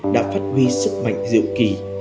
đã phát huy sức mạnh dịu kì